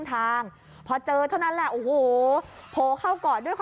น้องเฮ้ยน้องเฮ้ย